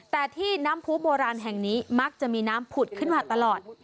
แต่ที่น้ำผู้โบราณแห่งนี้มักจะมีน้ำผุดขึ้นมาตลอด